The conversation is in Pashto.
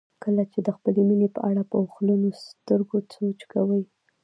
کله چې د خپلې مینې په اړه په اوښلنو سترګو سوچ کوئ.